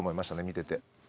見てて。